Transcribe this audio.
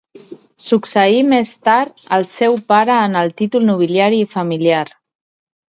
Succeí més tard al seu pare en el títol nobiliari familiar.